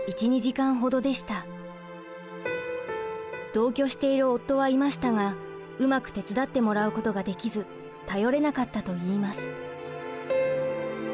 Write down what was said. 同居している夫はいましたがうまく手伝ってもらうことができず頼れなかったといいます。